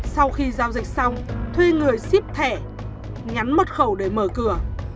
sau khi giao dịch xong thuê người ship thẻ nhắn mật khẩu để mở cửa